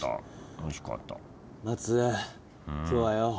松今日はよ